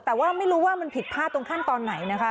แต่ว่าไม่รู้ว่ามันผิดพลาดตรงขั้นตอนไหนนะคะ